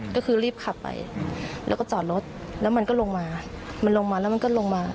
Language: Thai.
ก็คือรีบขับไปแล้วก็จอดรถแล้วมันก็ลงมามันลงมาแล้วมันก็ลงมา